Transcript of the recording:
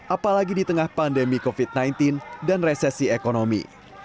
apalagi di tengah pandemi covid sembilan belas dan resesi ekonomi